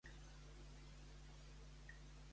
Què es deixaria veure en ell mateix, segurament?